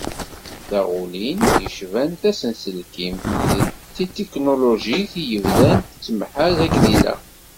Taɣulin yecban tasenselkimt d tetiknulujit i yebdan tettemhaz akken ilaq.